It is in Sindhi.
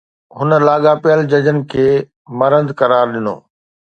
هن لاڳاپيل ججن کي مرتد قرار ڏنو